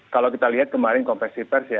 kalau kita lihat kemarin kompleks sipers ya